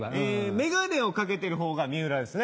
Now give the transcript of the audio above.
眼鏡を掛けてるほうが三浦ですね。